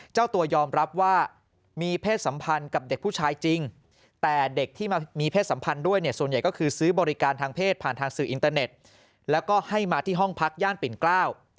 เจ้าตัวยอมรับว่ามีเพศสัมพันธ์กับเด็กผู้ชายจริงแต่เด็กที่มามีเพศสัมพันธ์ด้วยเนี่ยส่วนใหญ่ก็คือซื้อบริการทางเพศผ่านทางสื่ออินเตอร์เน็ตแล้วก็ให้มาที่ห้องพักย่านปิ่นเกล้า